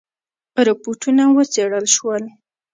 رپوټونه وڅېړل شول.